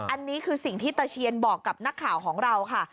อันนี้คือสิ่งที่ตะเชียนบอกกับนักข่าวของเราค่ะ